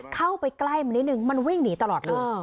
เข้าไปใกล้มันนิดนึงมันวิ่งหนีตลอดเลย